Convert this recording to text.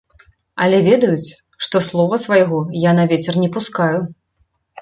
Але ведаюць, што слова свайго я на вецер не пускаю.